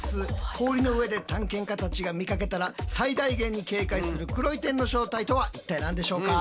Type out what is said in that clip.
氷の上で探検家たちが見かけたら最大限に警戒する「黒い点」の正体とは一体何でしょうか？